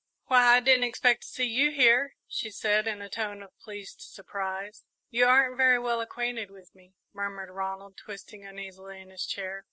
"Why, I didn't expect to see you here," she said, in a tone of pleased surprise. "You aren't very well acquainted with me," murmured Ronald, twisting uneasily in his chair.